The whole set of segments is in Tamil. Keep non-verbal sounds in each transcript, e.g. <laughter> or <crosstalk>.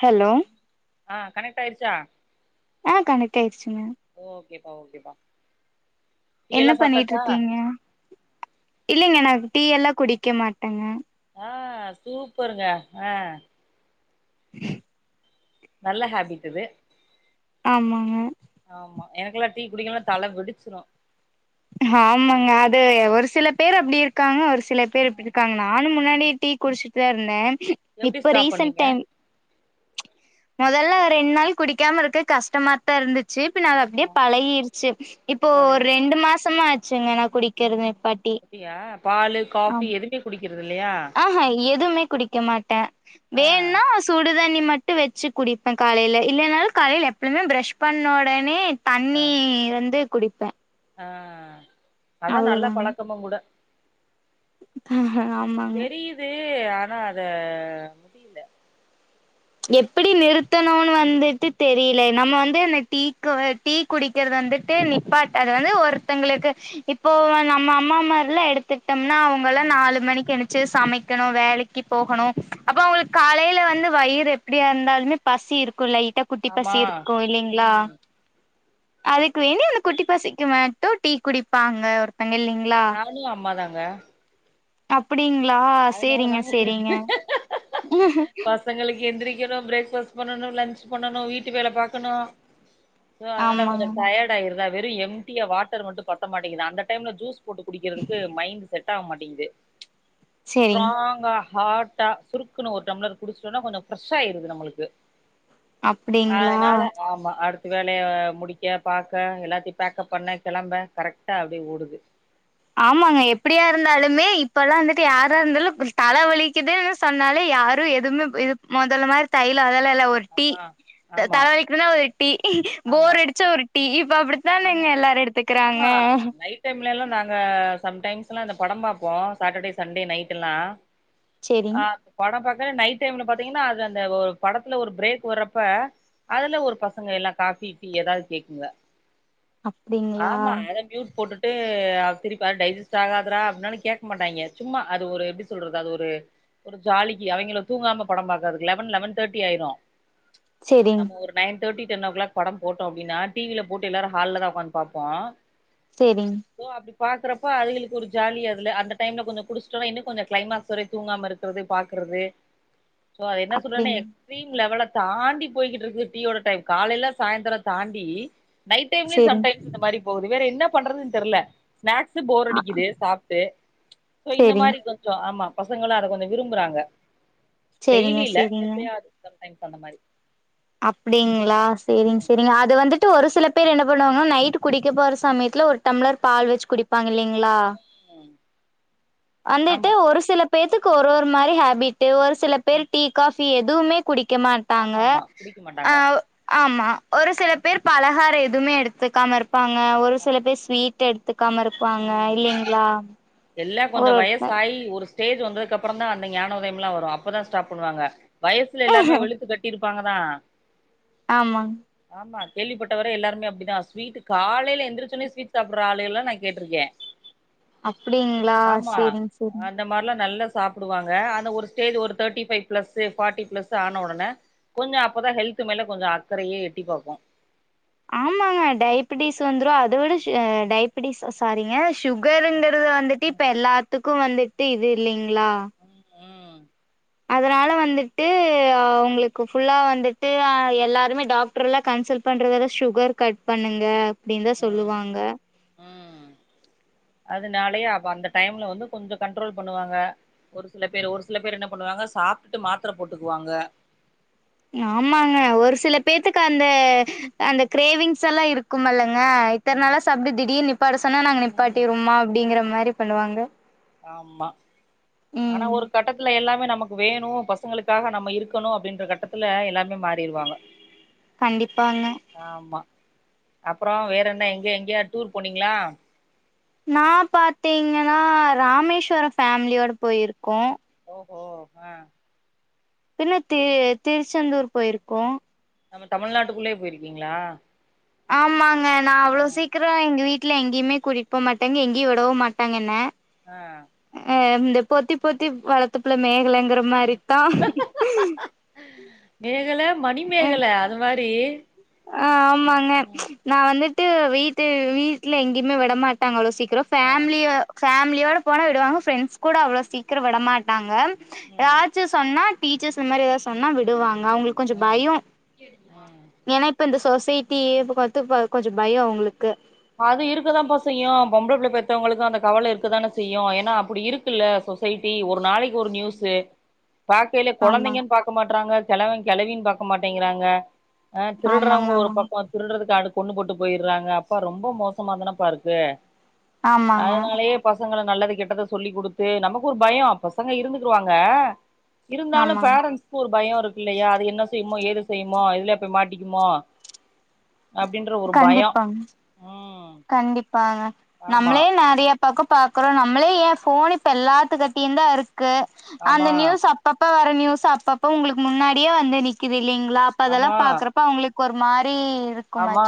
ஹலோ ஆ கனெக்ட் ஆயிச்சா ஆ கனெக்ட் ஆயிச்சுங்க ஓகேப்பா ஓகேப்பா டீ என்ன எல்லா பண்ணிட்டு சாப்ட்டாச்சா இருக்கீங்க இல்லிங்க நா டீல்லா குடிக்க மாட்டேங்க ஆ சூப்பர்ங்க அ <unintelligible> நல்ல ஹேபிட் இது ஆமாங்க ஆமா எனக்ல்லா டீ குடிக்கல்னா தல வெடிச்சிரு ஆமாங்க அது ஒரு சில பேரு அப்டி இருக்காங்க ஒரு சில பேரு இப்டி ம் இருக்காங்க நா னு முன்னாடி டீ குடிச்சுட்டு தா இருந்தே எப்டி இப்ப ஸ்டாப் ரீசன்ட் பண்ணீங்க டைம் மொதல்ல ஒரு ரெண்ட் நாள் குடிக்காம இருக்க கஷ்டமாத்தா இருந்துச் சு நா அப்டியே ஆ பழகிடுச்சி இப்போ ஒரு பழகி ரெண்டு மாசமா ஆச்சுங்க நா குடிக்கிறது நிப்பா அப்டியா பாலு காஃபி எதுமே குடிக்கிறது இல்லயா ஆமா எதுவுமே குடிக்க மாட்டே ஆ வேண்ணா சுடுதண்ணி மட்டு வச்சு குடிப்பே காலைல இல்லனாலு காலைல எப் பமே பிரஷ் பண்ண ஒடனே ஆ தண்ணி இருந்து குடிப்பே ஆ அதா நல்ல அவ்ளோதாங்க பழக்கமும் கூட ஆமாங்க தெரியுது ஆனா அத முடியல எப்டி நிறுத்தணுனு வந்துட்டு தெரியில நம்ம வந்து அந்த டீக்கு டீ குடிக்கிறது வந்துட்டு நிப்பாட் அது வந்து ஒருத்தங்ளுக்கு இப்போ வ நம்ம அம்மாமார்லா எடுத்துட்டோம்னா அவுங்கல்லா ம் நாலு மணிக்கு எந் துருச்சு சமைக்கணு வேலைக்கு போகணு அப்ப அவுங்களுக் காலைல வந்து வயிறு எப் டியா இருந்தாலுமே பசி இருக்கு லைட்டா குட்டி ஆமா பசி இருக்கு இல்லிங்ளா ம் அதுக்கு வேண்டி ஒன்னு குட்டி பசிக்குமே மட்டு டீ குடிப்பாங்க ஒருத்தங் இல்லிங் நானே அம்மாதாங்க அப்டீங்ளா அதனால சேரிங்க தாங்க சேரிங்க பசங்களுக்கு எந்திரிக்கணு பிரேக் ஃபாஸ்ட் பண்ணணு லன்ச் பண்ணணு வீட்டு வேல பாக்கணு சோ அதனால கொஞ்சோ ஆமாங்க டயார்டு ஆயிருதா வெறு எம்ட்டியா வாட்டர் மட்டு பத்த மாட்டேங்குது அந்த டைம்ல ஜூஸ் போட்டு குடிக்கிறதுக்கு மைண்ட் செட் ஆவமாட்டேங்குது சேரிங் ஸ்ட்ராங்கா ஹாட்டா சுருக்குன்னு ஒரு டம்ளர் குடிச்சுட்டோனா கொஞ்சோ ஃப்ரெஷ்ஷா ஆயிடுது நம்மளுக்கு அப்டிங்களா அதனால ஆமா அடுத் த வேலைய முடிக்க பாக்க எல்லாத்துயும் பேக்கப் பண்ண கிளம்ப கரெக்டா அப்டியே ஓடுது ஆமாங்க எப்டியா இருந்தாலுமே இப்பல்லா வந்துட்டு யாரா இருந்தாலு ஒரு தல வலிக்குதுன்னு சொன்னாலே யாரு எதுமே இது மொதல்ல மாரி தைய்லோ அதலா இல்ல டீ ஆமா ஆமா தலவலிக்குதுனா ஒரு டீ ஆமா போர் அடிச்ச ஒரு டீ இப்ப அப்டி தானங்க எல்லாரு எடுத்துக்கறாங்க அன் டைம்லளா நாங்க சம் டைம்ஸ்லா அந்த படம் பாப்போ சாட்டடே சண்டே நைட்டுல்லா ஆ சேரிங் படம் பாக்கயில நைட் டைம்ல பாத்தீங்கன்னா அது அந்த ஒரு படத்துல ஒரு பிரேக் வர்றப்ப அதுல ஒரு பசங்க எல்லா காஃபி டீ ஏதாவுது கேக்குங்க அப்டிங் ஆமா அத மியூட் போட்டுட்டு ஆ சரிப்பா டைஜிஸ்ட்டு ஆகாதுடா அப்டின்னாலு கேக்க மாட்டாய்ங்க சும்மா அது ஒரு எப்டி சொல்றது அது ஒரு ஒரு ஜாலிக்கு அவைங்கள தூங்காம படம் பாக்கறதுக்கு லெவன் லெவன் தேர்ட்டி ஆய்டு சேரிங் நம்ம ஒரு நைன் தேர்டி டென்ஓ கிளாக் படம் போட்டோ அப்டின்னா டி வில போட்டு எல்லாரு ஹால்ல தா ஒக்காந் பாப்போ சேரிங் சோ அப்டி பாக்குறப்ப அவியளுக்கு ஒரு ஜாலி அதுல ‌அந்த டைம்ல கொஞ்சோ குடிஸ்டோன்னா இன்னு கொஞ்சோ கிளைமக்ஸ் வரைக்கு தூங்காம இருக் குறது பாக்குறது <inaudible> சோ அது என்ன சொல்றனே அப்டிங் எக்ஸ்ட்ரீம் லெவல தாண்டி போய்க்கிட்டுருக்கு டீயோட டைம் காலைல சயந்தரோ தாண்டி நைட் டைம்லயு சம் சேரிங் டைம்ஸ் இந்த மாரி போவுது வேற என்ன பண்றதுன்னு தெர்ல ஸ்நாக்சு போர் ஆ அடிக்குது சாப்ட்டு சோ இந்த சேரிங் மாரி கொ ஞ்சோ ஆமா பசங்கலு அத கொஞ்சோ விரும்புறாங்க சேரிங்க டெய்லில இல்ல சேரிங்க எப்பயாது சம் டைம்ஸ் அந்த மாரி அப்டிங்களா சேரிங்க சேரிங்க அது வந்துட் டு ஒரு சில பேர் என்ன பண்ணுவாங்ன்னா நைட்டு குடிக்க போற சமயத்துல ஒரு டம்பளர் பால் வச்சு குடிப்பாங்க இல்லைங்களா ம் ம் வந்துட்டு ஆமா ஒரு சிலப் இப்ப எதுக்கு ஒரு ஒரு மாரி ஹேபிட்டு ஒரு சில ம் பேர் டீ காஃபி எதுவுமே குடிக்கமாட் ஆமா ஆமா குடிக்க மாட்டாங்க ஆமா ஒரு சில பேர் பலகாரோ எதுவுமே எடுத்துக்காம இருப்பாங்க ஒரு சில ஆமா பேர் ஸ்வீட்டு எடு த்துக்காம இருப்பாங்க ம் இல்லைங்களா எல்லா கொஞ்சோ ஒரு ஒருத்த வயசாயி ஒரு ஸ்டேஜ் வந்ததுக்க அப்றோ தா அந்த ஞான உதயம்லா வரு அப்பதா ஸ்டாப் பண்ணுவாங்க வயசுல எல்லாமே வெளுத்து கட்டிருப்பாங்கதா ஆமா ஆமா கேள்விப்பட்ட வரையு எல்லாருமே அப்டிதா ஸ்வீட்டு காலைல எந்திரிச்சோனே ஸ்வீட் சாப்பிட்ற ஆளு எல்லா நா கேட்ருக்க அப்டிங்களா சேரிங்க சேரிங்க இந்த மாரிலா நல்ல சாப்பிடுவாங்க ஆனா ஒரு ஸ்டேஜ் ஒரு thirty five plus forty plus ஆன உடனே கொஞ்சோ அப்பதா ஹெல்த்து மேல கொஞ்சோ அக்கரையே எட்டி பாக்கு ஆமாங்க டயபட்டிஸ் வந்துரு அத விட டயபட்டிஸ்ஸா சாரிங்க சுகருங்கரது வந்துட்டு இப்ப எல்லாத்துக்கு வந்துட்டு இது இல்லலைங்களா ம் ம் அதனால வந்துட்டு அங்களுக்கு ஃபுல்லா வந்துட்டு எல்லாருமே டாக் டர்லா கன்சல்ட் பண்றத வர சுகர் கட் பண்ணுங்க அப்டின்னு தா ம் ம், சொல்லுவாங்க ம். அதனாலயே அப்ப அந்த டைம்ல வந்து கொஞ்சோ கண்ட்ரோல் பண்ணுவாங்க ஒரு சில பேர் ஒரு சில பேர் என்ன பண்ணுவாங்க சாப்ட்டுட்டு மாத்திர போட்டுக்குவாங்க ஆமாங்க ஒரு சில பேத்துக்கு அந்த அந்த கிரேவிங்ஸ் எல்லா இருக் கும்மல்லங்க இத்த ம் நாளா சாப்டு திடீர் நிப்பாட்ட சொன்னா நாங்க ம் நிப்பாட்டிடுவமா அப்டிங்கிற மாரி பண்ணுவாங்க ஆமா ஆனா ம் ஒரு கட்டத்துல எல்லாமே நமக் வேணும் பசங்களுக்காக நம்ம இருக்கணும் அப்டின்ற கட்டத்துல எல்லாமே மாறிருவாங்க கண்டிப்பாங்க ஆமா அப்றோ வேற என்ன எங்க எங்கயா டூர் போனீங்களா நா பாத்தீங்கன்னா ராமேஸ்வர ஃபேமிலியோட போயிருக்கோ ஓஹோ ஆ பின்ன தி திருச்செந்தூர் போயிருக்கோ நம்ம தமிழ்நாட்டுக்குள்ளயே போயிருக்கீங்களா ஆமாங்க நா ஆ அவ்ளோ சீக்ரோ எங்க வீட்ல எங்கயுமே கூட்டிட்டு போ மாட்டாங்க எங்கயு விடவு மாட்டாங்க என்ன அ அ இந்த பொத்தி பொத்தி வளர்த்தப்புள்ள மேகலங்கற ம் மாரித்தா மேகல மணிமேகல அது மாரி ஆ ஆமாங்க ம் நா வந்துட்டு வீட்டு வீட்ல எங்கயமே விட மாட்டாங்க அவ்ள சீக் ரோ ஆ ஃபேமிலியோ ஃபேமியோட போனா விடுவாங்க ஃப்ரெண்ட்ஸ் கூட அவ்ளோ சீக்கிரோ விடமாட்டாங்க ம் ஏதாச்சு சொன்னா டீச்சர்ஸ் இந்த மாரி ஏதாது சொன்னா விடுவாங்க அவங்களுக்கு கொஞ்சோ பயயோ ஆ ஏன்னா இப்ப இந்த சொசைட்டியே இப்ப பாத்து இப்ப கொஞ்ச பயம் அவங்களுக்கு அது இருக்கதான்ப்ப செய்யு பொம்பளை புள்ள பெத்தவங்களுக்கு அந்த கவலை இருக்குதானே செய்யும் ஏன்னா அப்டி இருக் கு இல்ல சொசைட்டி ஒரு நாளைக்கு ஒரு நியூஸு <inaudible> பார்க்கயில ஆமாங் கொழந்தைங்கு பாக்க மாட்றாங்க கெழவன் கெழவின்னு பாக்க மாட்டேங்கறாங்க ஆ ஆமாங்க திருடறவங்க ஒரு ஆமாங்க பக்கம் திருடறதுக்காவ கொண்ணு போட்டு போயிட்றாங்க ப்ப ரொம்ப மோசமா தானப்பா இருக்கு ஆமாங்க அதனாலயே பசங்கள நல்லது கெட்டத சொல்லி கொடுத்து நமக்கு ஒரு பயோ பசங்க இருந்துகுருவாங்க இருந்தாலு ஆமாங்க பேரண்ட்ஸ்க்கு ஒரு பயம் இருக்கு இல்லையா அது என்ன செய்யுமோ ஏது செய்யுமோ எதுலய போய் மாட்டிக்குமோ அப்டின்ற ஒரு பயம் கண்டிப்பாங் கண்டிப்பாங்க ஆமா நம்ளே நறைய பக்கோ பாக்கறோ நம்மளே ஏன் ஃபோன் இப்ப எல்லாத்துகிட்டயு தா இருக்கு அந்த ஆமா நியூஸ் அப் அப்பப்ப வர நியூஸ் அப்பப்ப உங்களுக்கு முன்னாடியே வந்து நிக்குது இல்லங்களா அப்ப ஆமா அதல்லாம் பாக்குறப்ப அவங்களுக்கு ஒரு மாரி இருக் ஆமா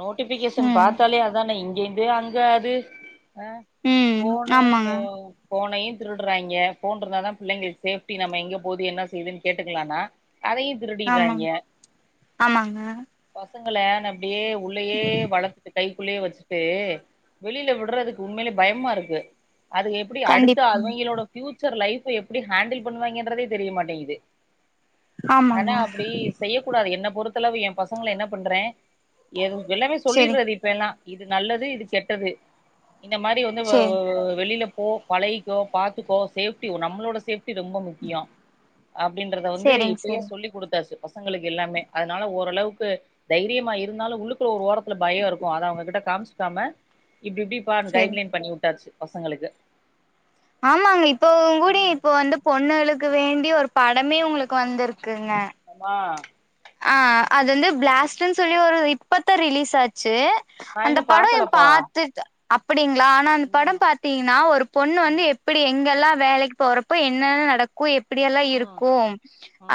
நோட்டிபிகேஷன் பாத்தாலே அதானே இங்கேந்தே அங்க அது அ ம் ஃபோனு ஆமாங்க ஏ ஒ ஃபோனயும் திருடுறாய்ங்க ஃபோன் இருந்தாதா பிள்ளைளுக்கு சேஃப்டி நம்ம இங்க போது என்ன செய்துன்னு கேட்டுக்கலானா அதயு ஆமா ஆமாங்க பசங்கள அப்டியே உள்ளயே வளர்த்துட்டு கைக்குள்ளயே வச்சு இது வெளில விட்றதுக்கு உண்மைலயே பயமா இருக்கு அதுக எப்டி அடுத்த கண்டிப்பாங் அவிங்களோட பியூச்சர் லைஃப்ப எப்டி ஹேண்டில் பண்ணுவாங்கன்றதே தெரியமாட்டேங்குது ஆனா ஆமாங்க அப்டி செய்ய கூடாது என்ன பொறுத்தளவு எ பசங்கள என்ன பண்றே எது எல்லாமே செரி சொல்லிறது இப்பெல்லா இது நல்லது இது கெட்டது இந்த மாரி வந்து வ வ செரி வ வெளில போ பழகிக்கோ பாத்துக்கோ சேஃப்டி ஒ நம்மளோட சேஃப் டி ரொம்ப முக்கியோ அப்டின்றத வந்து செரிங் இப்பயே செரிங் சொல்லி குடுத்தாச்சு பசங்களுக்கு எல்லாமே அதனால ஓரளவுக் கு தைரியமா இருந்தாலு உள்ளுக்குள்ள ஒரு ஓரத்துல பயோ இருக்கு அத அவங்ககிட்ட காம்ச்சிக்காம இப்டி இப்டி பார்ன் செரி கைட்லைன் பண்ணி வுட்டாச்சு பசங்களுக்கு ஆமாங்க இப்ப கூடி ம். இப்போ வந்து பொண்ணுகளுக்கு வேண்டி ஒரு படமே உங்களுக்கு வந்திருக்குங்க ஆமா ஆ அது வந்து பிளாஸ்ட்ன் சொல்லி ஒரு இப்பத்தா ரிலீஸ் ஆச்சி நா அந்த இன்னும் படோ எ பாக்கலப்பா. பாத்துட் அப்படிங்ளா ஆனா அந்த படோ ம். பாத்தீங்கனா ஒரு பொண்ணு ம். வந்து எப் பிடி எங்கெல்லா வேலைக்கு போறப்போ என்னென்ன நடக்கு எப்பெடியெல்லா ம். இருக்கு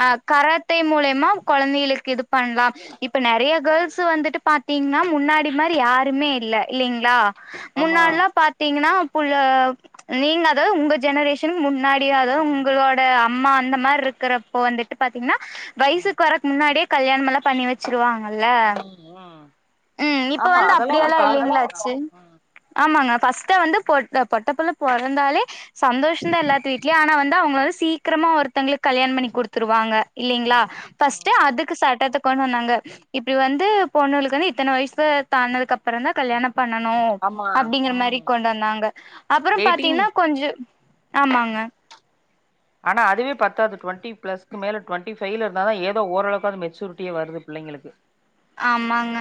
ஆ கராத் தே மூலியமா கொழந்தைகளுக்கு இது பண்லா இப்ப நெறைய கேர்ள்ஸ் வந்துட்டு பாத்தீங்னா முன்னாடி மாரி யாருமே இல்ல இல்லிங்ளா ஆமா. முன்னாட்லா பாத் தீங்னா புள்ள நீங்க அதாவது உங்க ஜெனரேஷன்க் முன்னாடியே அதாவது ம். உங்களோட் தே அம்மா அந்த மாரி இர்கறப்போ வந்துட்டு பாத்தீங்னா ம். வயசுக் வரக்கு முன்னாடியே கல்யாணமெல்லா பண்ணி வ சிருவாங்கல்ல ம். ம். ம் இப்ப ஆமா வந்து அதெல்லாம் ஒரு அப்டியெல்லா காலகட்டம் தான். இல்லைங்ளாச்சி ம். ஆமாங்க ஃபஸ்ட்டா வந்து பொட் பொட்ட புள்ள பொறந்தாலே சந்தோஷந்தா எல்லாத்து வீட்லியு ஆனா வந்து அவுங்கள சீக்கிரமா ஒருத்தங்களுக்கு கல்யாண் பண்ணி குடுத்துருவாங்க இல்லலைங்ளா ம். ஃபஸ்ட்டு ம். அதுக்கு சட்டத்த கொண்டு வந்தாங்க இப்டி வந்து பொண்ணூளுக்குனு இத்தன வயசு தான்னதுக்கு அப்பறந் தா கல்யாணப் பண்ணனு ஆமா. அப்டிங்கற மாரி ம். கொண்டாந்தாங்க அப்றோ பாத்தீங்னா கொஞ்சோ ஆமாங்க ஆனா அதுவே பத்தாது டுவெண்டி பிளஸ்க்கு மேல டுவெண்டி ஃபைவ்ல இருந்தா தா ஏதோ ஓரளவுகாவது மெச்சூரிட்டியே வருது பிள்ளைங்களுக்கு ஆமாங்க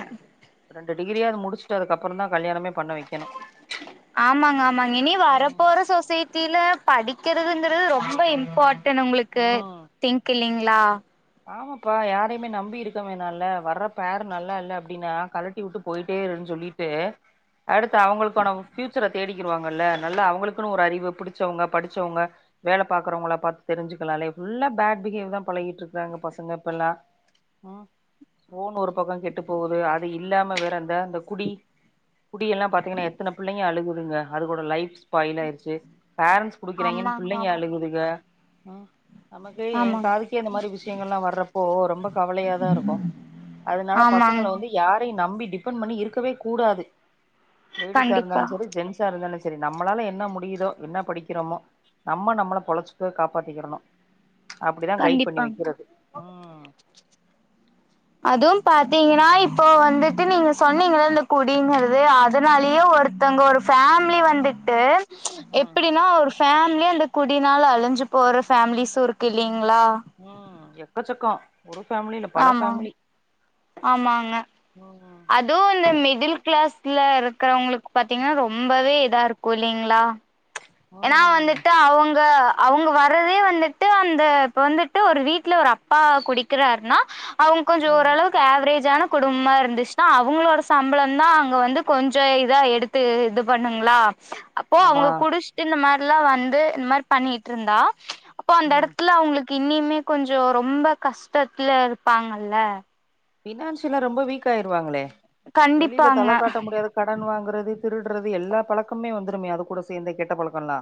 ரெண்டு டிகிரியாவது முடிச்சுட்டு அதுக்கப்புற தா கல்யாணமே பண்ண வைக்கனு ஆமாங்க ஆமாங்க இனி வரபோற சொசை டில படிக்கறதுங்கரது ரொம்ப இம்பாட்டன் உங்களுக்கு ம் திங்க் இல்லலைங்ளா ஆமாப்பா யாரையுமே நம்பி இருக்க வேணால வர்ற பேர் நல்லா இல்ல அப்டினா கழட்டி வுட்டு போய்ட்டே இருன் சொல்லிட் டு அடுத்து அவுங்களுக்கான பியூச்சர தேடிகிடுவாங்கல்ல நல்லா அவுங்களுக்குனு ஒரு அறிவு புடிச்சவங்க படிச்சவங்க வேல பாக்கறவங்கள பாத்து தெரிஞ்சிக்கலால்ல ஃபுல்லா பேட் பிஹேவ் தா பழகிட்ருக் றாங்க பசங்க இப்ப எல்லா ம் ஃபோனு ஒரு பக்கோ கெட்டு போவுது அது இல்லாம வேற இந்த அந்த குடி குடி எல்லா பார்த்தீங்கனா எத்தன பிள்ளைங்க அழுகுதுங்க அது கூட லைஃப் ஸ்பாயில் ஆயிரிச்சி பேரன்ஸ் குடுக்கறாய்ங்கன் ஆமாங்க பிள்ளைங்க ஆமாங்க அழுகுதுக ம் நமக்கே ஏ ஆமாங்க காதுகே இந்த மாரி விஷ் ஷியங்ல்லா வர்றப்போ ரொம்ப கவலைய தா இருக்கு அதனால ஆமாங் பசங்கள வந்து யாரையு நம்பி டிபெண்ட் பண்ணி இருக்கவே கூடாது லேடிஸா கண்டிப்பா இருந்தாலு செரி ஜென்ஸ் சாருந்தாலு செரி நம்மளால என்ன முடியுதோ என்ன படிக்கிறமோ நம்ம நம்மள பொழச்சுக்க காப்பாத்திக்கிடனு அப்டிதா கைட் பண்ணி கண்டிப்பாங் வெக்கிறது அதுவு பாத்தீங்கனா இப்போ வந்துட்டு நீங்க சொன்னீங்கல இந்த குடிங்கிறது அத் துனாலயே ம் ஒருத்தங்க ஒரு ஃபேம்லி வந்துட்டு ம் எப்டின்னா ஒரு ஃபேம்லி அந்த குடி நால அழிஞ்சி போற ஃபேமிலிஸு இருக்கு இல்லலைங்ளா ம் எக்கச்சக்கோ ஒரு ஃபேமிலி இல்ல பல ஆமாங் ஃபேமிலி ஆமாங்க ம் அத் து இந்த மிடில் கிளாஸ்ல இருக்குறவங்களுக்கு பாத்தீங்கன்னா ரொம்பவே இதா இருக்கு இல்லைங்களா ஏன்னா ம் வந்துட்டு அவங் க அவங்க வரதே வந்துட்டு அந்த இப்ப வந்துட்டு ஒரு வீட்ல ஒரு அப்பா குடிக்கிறாருன்னா அவுங் ம் கொஞ்சோரளவுக் க்கு ஆவரேஜான குடும்பமா இருந்துச்சுன்னா அவுங்களோட சம்பளந்தா அங்க வந்து கொஞ்சோ இதா எடுத் து இது பண்ணுங்களா அப்போ ஆமா அவுங்க குடிஷ்ட்டு இந்த மாரில்லா வந்து இந்த மாரி பண்ணிட்ருந்தா அப்போ ம் அந்தெடத்ல அவுங்ளுக் இன்னிமே கொஞ்சோ ரொம்ப கஷ்டத்துல இருப்பாங்கல்ல ஃபினான்ஷியலா ரொம்ப வீக் ஆயிருவாங்களே வெளில கண்டிப்பாங்க தல காட்ட முடியாது கடன் வாங்குறது திருடுறது எல்லா பழக்கமே வந்துருமே அது கூட சேர்ந்த கெட்ட பழக்கோல்லா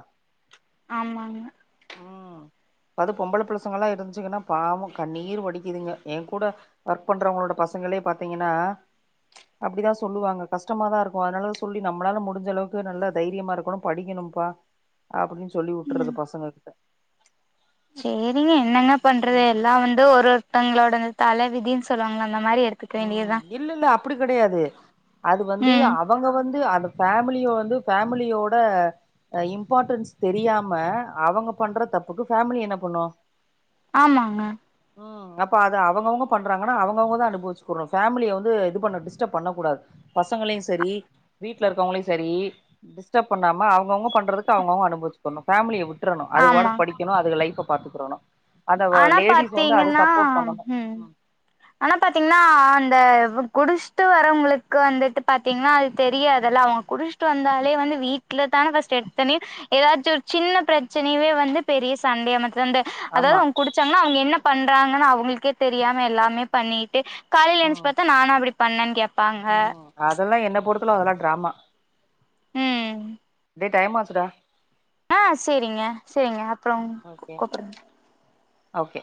ஆமாங் ம் அது பொம்பள ப்ழசங்கல்லா இருந்ச்சுங்கன்னா பாவோ கண்ணீர் வடிக்குதுங்க என் கூட அ பண்றவங்களோட பசங்களே பாத்தீங்கன்னா அப்டிதா சொல்லுவாங்க கஷ்டமாதா இருக்கு அதனால சொல்லி நம்மளால முடிஞ்சளவுக்கு நல்லா தைரியமா இருக்கணு படிக்கணும்ப்பா அப்டின்னு சொல்லி ம் உட்றது பசங்க கிட்ட சேரிங்க என்னங்க பண்றது ம் எல்லா வந்து ஒரொருத்தங்களோட இந்த தல விதின் சொல்லுவாங்க அந்த மாரி எடுத் ம் இல்லில்ல அப்டி கடையாது அது வந்து அ ம் அவங்க வந்து அந்த ஃபேமிலிய வந்து பேஃமிலியோட அ இம்பார்ட்டன்ஸ் தெரியாம அவங்க பண்ற தப்புக்கு ஃபேமிலி என்ன பண்ணு ஆமாங்க ம் அப்ப அது அவங்கவுங்க பண்றாங்கன்னா அவங்கவுங்க தா அனுபவிச்சு குனு ஃபேமிலிய வந்து இது பண்ண டிஸ்டர்ப் பண்ண கூடாது பசங்களையு சரி வீட்ல இருக்கவுங்களையு சரி டிஸ்டர்ப் பண்ணாம அவுங்கவுங்க பண்றதுக்கு அவுங்கவுங்க அனுபவிச் குண்ணு ஃபேமிலிய விட்றணு அதுக ஆமா வாட்டுக் படிக்கணு அதுக லைஃப பாத்துக்டோனு ஆனா பாத்தீங்கன்னா ம் ஆனா பாத்தீங்ன்னா அந்த குடிஷ்ட்டு வரவுங்களுக்கு வந்துட்டு பாத்தீங்கன்னா அது தெரியதுல்ல அவுங்க குடிஷ் ட்டு வந்தாலே வந்து வீட்ல தான ஃபஸ்ட் எத்தொன்யு எதாச்சு ஒரு சின்ன ப்ரெச்சனைவே வந்து பெரிய சண்டையா மாத் அந்த அதாவது ஆமா அவுங்க குடிச்சாங்கன்னா அவுங்க என்ன பண்றாங்கன்னு அவுங்களுக்கே தெரியாம எல்லாமே பண்ணிட்டு காலைல எனுச்சு ம் பாத்தா நானா அப்டி பண்ணனு கேப்பாங்க அதல்லா என்ன பொருத்தளவு அதல்லா டிராமா ம் டே டைம் ஆச்சுடா ஆஹ் சேரிங்க சேரிங்க அப்றம் ஓகே கூப்டுங்க ஓகே